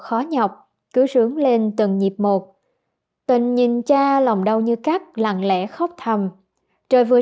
khó nhọc cứu sướng lên từng nhịp một tình nhìn cha lòng đau như cắt lặng lẽ khóc thầm trời vừa